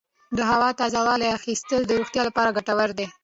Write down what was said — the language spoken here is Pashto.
د هوا تازه والي اخیستل د روغتیا لپاره ګټور دي.